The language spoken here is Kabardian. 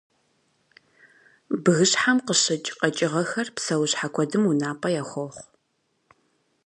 Бгыщхьэм къыщыкӏ къэкӏыгъэхэр псэущхьэ куэдым унапӏэ яхохъу.